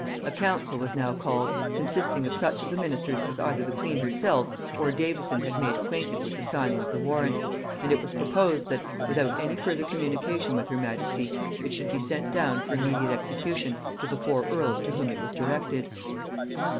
A council was now called, consisting of such of the ministers as either the queen herself or Davison had made acquainted with the signing of the warrant; and it was proposed that, without any further communication with her majesty, it should be sent down for immediate execution to the four earls to whom it was directed.